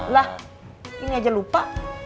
lah ini aja lupa